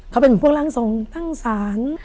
เขาเป็นพวกร่างทรงตั้งศาล